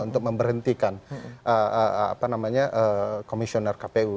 untuk memberhentikan komisioner kpu